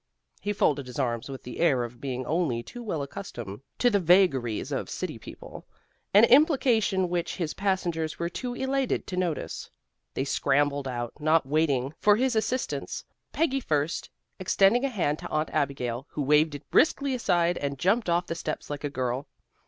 He folded his arms with the air of being only too well accustomed to the vagaries of city people, an implication which his passengers were too elated to notice. They scrambled out, not waiting for his assistance, Peggy first, extending a hand to Aunt Abigail, who waved it briskly aside, and jumped off the steps like a girl.